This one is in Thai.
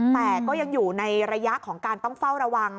แต่ก็ยังอยู่ในระยะของการต้องเฝ้าระวัง